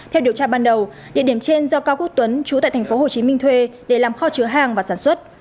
theo điều tra ban đầu địa điểm trên do cao quốc tuấn chú tại tp hcm thuê để làm kho chứa hàng và sản xuất